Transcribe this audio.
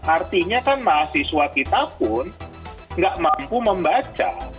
artinya kan mahasiswa kita pun nggak mampu membaca